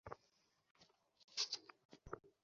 এর মানে কি, পাপা!